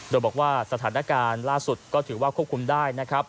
โดยบอกว่าสถานการณ์ล่าสุดก็ถือว่าควบคุมได้นะครับ